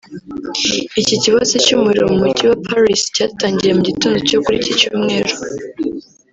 Iki kibatsi cy’umuriro mu Mujyi wa Paris cyatangiye mu gitondo cyo kuri iki cyumweru